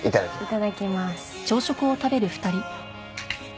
いただきます。